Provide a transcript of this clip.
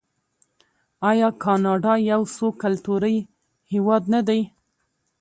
آیا کاناډا یو څو کلتوری هیواد نه دی؟